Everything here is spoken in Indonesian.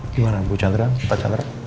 gimana bu chandra pak chandra